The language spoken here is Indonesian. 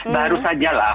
baru saja lah